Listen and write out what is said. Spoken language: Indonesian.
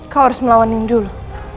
kau harus melawanin dulu